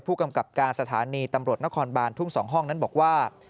ผู้กำกับการสถานีตำรวจนครบานทุ่ง๒ห้องนั้นบอกว่า